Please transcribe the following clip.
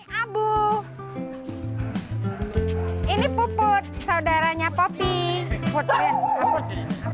ini abu ini puput saudaranya popi puput puput puput